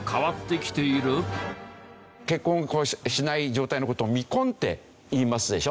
結婚をしない状態の事を未婚って言いますでしょ。